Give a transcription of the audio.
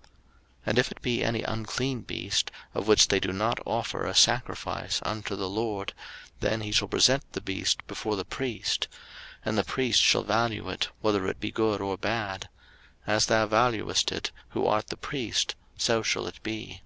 03:027:011 And if it be any unclean beast, of which they do not offer a sacrifice unto the LORD, then he shall present the beast before the priest: 03:027:012 And the priest shall value it, whether it be good or bad: as thou valuest it, who art the priest, so shall it be.